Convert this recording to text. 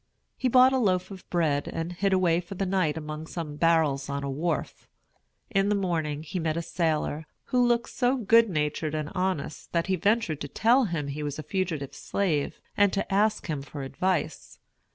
He bought a loaf of bread, and hid away for the night among some barrels on a wharf. In the morning, he met a sailor, who looked so good natured and honest that he ventured to tell him he was a fugitive slave, and to ask him for advice.